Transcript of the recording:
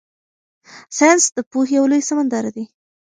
ساینس د پوهې یو لوی سمندر دی.